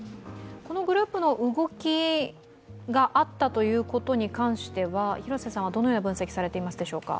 このグループの動きがあったということに関しては、廣瀬さんはどのような分析をされていますでしょうか？